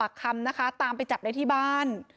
เกี่ยวกับปักคำนะคะตามไปจับได้ที่บ้าน